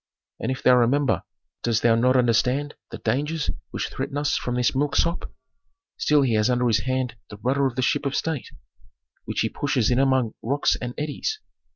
And if thou remember, dost thou not understand the dangers which threaten us from this milksop? Still he has under his hand the rudder of the ship of state, which he pushes in among rocks and eddies.